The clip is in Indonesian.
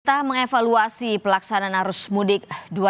kita mengevaluasi pelaksanaan arus mudik dua ribu dua puluh